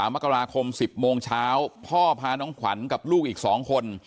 มกราคม๑๐โมงเช้าพ่อพาน้องขวัญกับลูกอีก๒คน